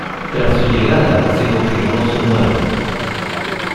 Tras su llegada, se confirmó su muerte.